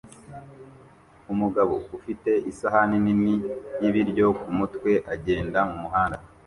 Umugabo ufite isahani nini y'ibiryo kumutwe agenda mumuhanda